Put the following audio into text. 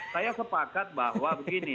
saya sepakat bahwa begini